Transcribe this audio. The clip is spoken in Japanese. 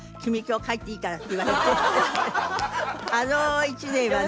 あの１年はね。